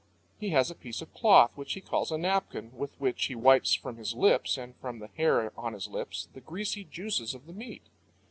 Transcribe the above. He has a piece of cloth which he calls a napkin, with which he wipes from his lips, and from the hair on his lips, the greasy juices of the meat.